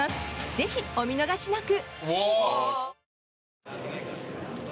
ぜひ、お見逃しなく。